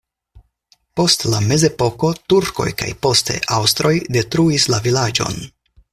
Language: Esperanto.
Post la mezepoko turkoj kaj poste aŭstroj detruis la vilaĝon.